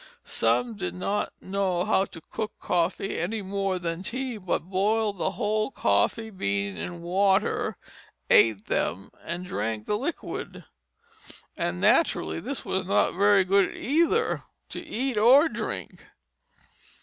Some did not know how to cook coffee any more than tea, but boiled the whole coffee beans in water, ate them, and drank the liquid; and naturally this was not very good either to eat or drink.